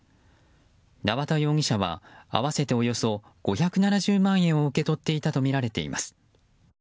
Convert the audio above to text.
縄田容疑者は合わせておよそ５７０万円を受け取っていたとみられています。